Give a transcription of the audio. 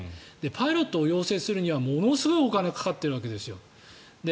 パイロットを養成するにはものすごいお金がかかっているわけですよ。